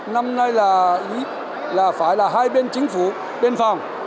năm nay là phải là hai bên chính phủ bên phòng